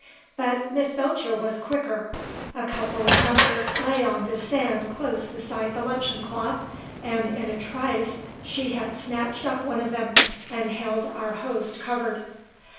But Miss Belcher was quicker. A couple of muskets lay on the sand close beside the luncheon cloth, and in a trice she had snatched up one of them, and held our host covered.